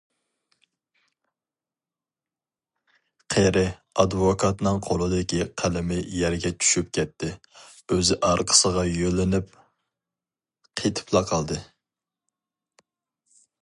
قېرى ئادۋوكاتنىڭ قولىدىكى قەلىمى يەرگە چۈشۈپ كەتتى، ئۆزى ئارقىسىغا يۆلىنىپ قېتىپلا قالدى.